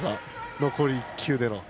残り１球での。